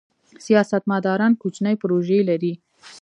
سیاستمداران کوچنۍ پروژې لري.